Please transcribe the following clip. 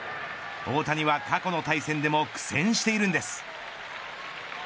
大谷は過去の対戦でも苦戦しているんです。